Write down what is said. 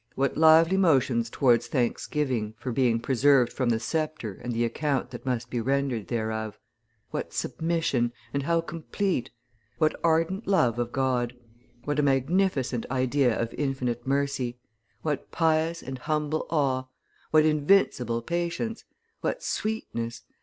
What lively motions towards thanksgiving for being preserved from the sceptre and the account that must be rendered thereof! What submission, and how complete! What ardent love of God! What a magnificent idea of infinite mercy! What pious and humble awe! What invincible patience! What sweetness!